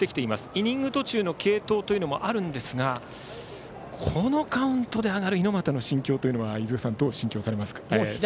イニング途中の継投もあるんですが、このカウントで上がる猪俣の心境というのは飯塚さん、どう思われますか。